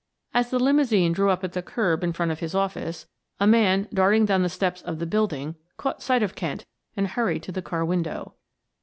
As the limousine drew up at the curb in front of his office, a man darting down the steps of the building, caught sight of Kent and hurried to the car window.